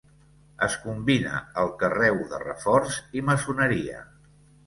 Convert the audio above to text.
Es combina el carreu de reforç i maçoneria.